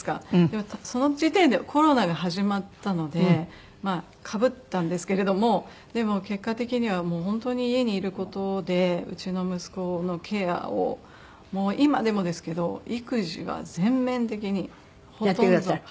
でもその時点でコロナが始まったのでまあかぶったんですけれどもでも結果的にはもう本当に家にいる事でうちの息子のケアをもう今でもですけど育児は全面的にほとんど。